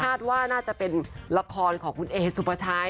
ว่าน่าจะเป็นละครของคุณเอสุภาชัย